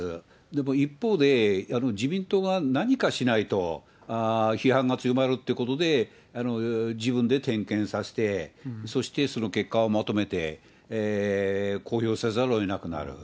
でも一方で、自民党が何かしないと批判が強まるということで、自分で点検させてそしてその結果をまとめて公表せざるをえなくなる。